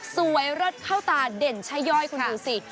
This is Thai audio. เลิศเข้าตาเด่นช่าย่อยคุณดูสิ